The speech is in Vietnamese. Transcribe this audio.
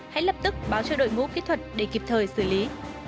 hãy lập tức báo cho đội ngũ kỹ thuật để kịp thời xử lý